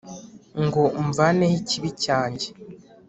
ngo umvaneho ikibi cyanjye’